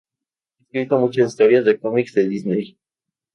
Ha escrito muchas historias de cómics de Disney.